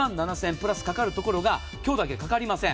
プラスかかるところが今日だけかかりません。